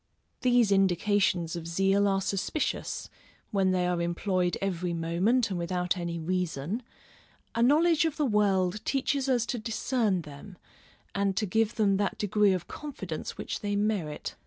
These indications of zeal are suspicious, when they are employed every moment and without any reason; a knowledge of the world teaches us to discern them, and to give them that degree of confidence which they merit.